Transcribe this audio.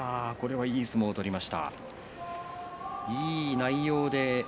いい相撲を取りました。